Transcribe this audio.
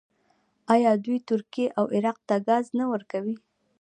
آیا دوی ترکیې او عراق ته ګاز نه ورکوي؟